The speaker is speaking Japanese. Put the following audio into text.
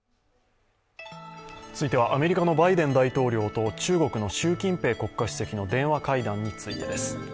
続いては、アメリカのバイデン大統領と中国の習近平国家主席との電話会談についてです。